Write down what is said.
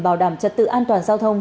bảo đảm trật tự an toàn giao thông